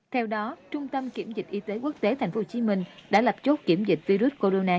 theo đó trung tâm kiểm dịch y tế quốc tế tp hcm đã lập chốt kiểm dịch virus corona